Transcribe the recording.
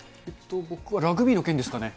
僕はラグビーの件ですかね。